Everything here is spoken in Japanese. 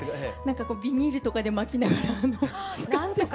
ビニールとかで巻きながら使ってます。